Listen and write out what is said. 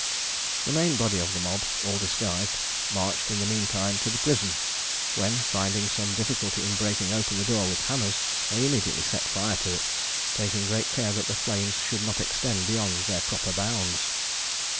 The main body of the mob, all disguised, marched in the mean time to the prison; when finding some difficulty in breaking open the door with hammers, they immediately set fire to it, taking great care that the flames should not extend beyond their proper bounds.